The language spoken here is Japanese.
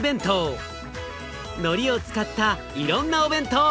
のりを使ったいろんなお弁当。